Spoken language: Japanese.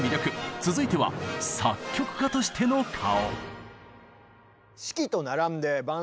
続いては作曲家としての顔。